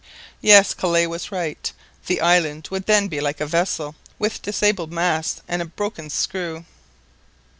Yes! Kellet was right; the island would then be like a vessel with disabled masts and a broken screw.